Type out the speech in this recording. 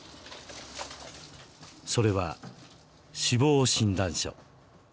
それは、死亡診断書。